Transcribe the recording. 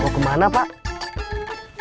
mau kemana pak